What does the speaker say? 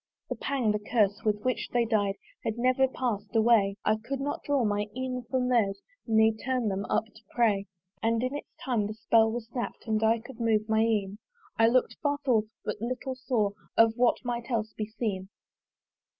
The pang, the curse, with which they died, Had never pass'd away: I could not draw my een from theirs Ne turn them up to pray. And in its time the spell was snapt, And I could move my een: I look'd far forth, but little saw Of what might else be seen.